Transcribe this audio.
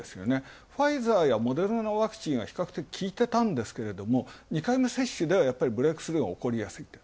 ファイザーやモデルナワクチンは比較的きいてたんですけども、２回目接種ではブレイクスルーが起こりやすいと。